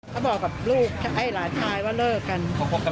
เขาบอกกับลูกไอ้หลานชายว่าเลิกกัน